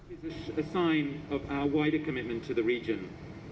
ini adalah tanda keinginan kami untuk kawasan ini